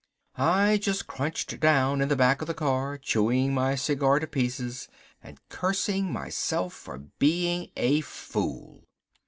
I just crunched down in the back of the car, chewing my cigar to pieces and cursing myself for being a fool.